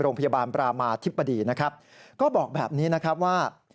โรงพยาบาลปรามาธิบดีนะครับก็บอกแบบนี้นะครับว่า